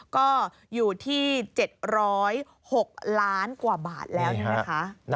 ก็อยู่ที่๗๐๖ล้านกว่าบาทแล้วเนี่ยนะคะ